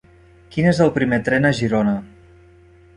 Quin és el primer tren a Girona?